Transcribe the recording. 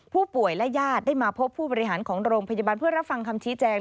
ผู้ป่วยและญาติได้มาพบผู้บริหารของโรงพยาบาลเพื่อรับฟังคำชี้แจง